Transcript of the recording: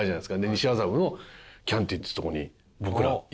西麻布のキャンティってとこに僕ら行って。